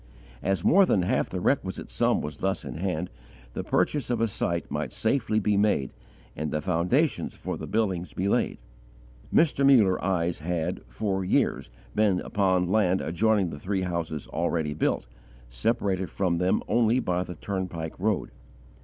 As more than half the requisite sum was thus in hand, the purchase of a site might safely be made and the foundations for the buildings be laid. Mr. Muller eyes had, for years, been upon land adjoining the three houses already built, separated from them only by the turnpike road.